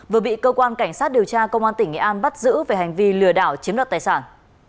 vừa bị cơ quan cảnh sát điều tra công an tỉnh nghệ an bắt giữ về hành vi lừa đảo chiếm đoạt tài sản